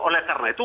oleh karena itu